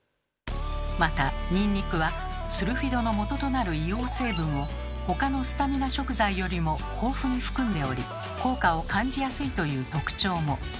またニンニクはスルフィドのもととなる硫黄成分を他のスタミナ食材よりも豊富に含んでおり効果を感じやすいという特徴も。